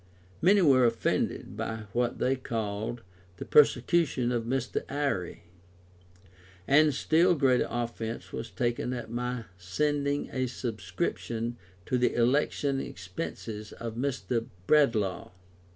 Many were offended by what they called the persecution of Mr. Eyre: and still greater offence was taken at my sending a subscription to the election expenses of Mr. Bradlaugh.